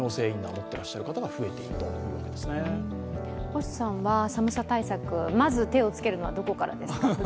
星さんは寒さ対策、まず手をつけるのはどこからですか？